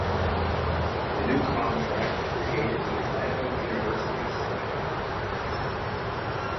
The new contract created the Atlanta University Center.